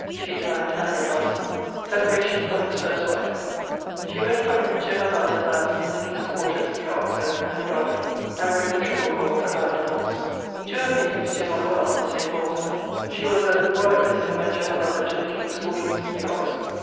She dyed anno Domini.... <_Separation from his first wife._> [She went from him to her mother's at ... in the king's quarters, neer Oxford], anno Domini ...; and wrote the Triplechord about divorce. Two opinions doe not well on the same boulster. She was a ... royalist, and went to her mother to the king's quarters, neer Oxford.